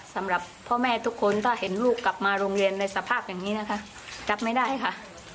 สำหรับพ่อแม่ทุกคนถ้าเห็นลูกกลับมาโรงเรียนในสภาพอย่างนี้นะคะจับไม่ได้ค่ะ